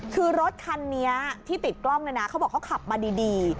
ถึงรถคันนี้ให้ติดกล้องนะเขาบอกเขาขับมาดีดี